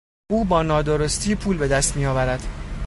او با نادرستی پول به دست میآورد.